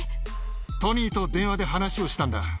トニーと電話で話をしたんだ。